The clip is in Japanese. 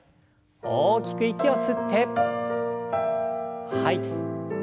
大きく息を吸って吐いて。